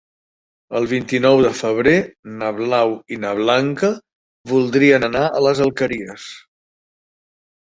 El vint-i-nou de febrer na Blau i na Blanca voldrien anar a les Alqueries.